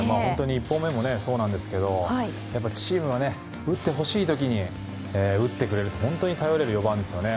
１本目もそうですがチームが打ってほしい時に打ってくれる本当に頼れる４番ですよね。